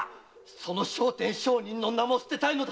その「聖天上人」の名も捨てたいのだ！